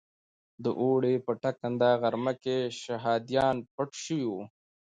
د اوړي په ټکنده غرمه کې شهادیان پټ شوي وو.